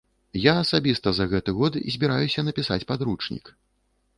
Я асабіста за гэты год збіраюся напісаць падручнік.